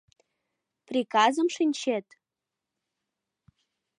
— Приказым шинчет?